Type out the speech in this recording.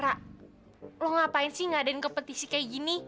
rak lu ngapain sih ngadain kepetisi kayak gini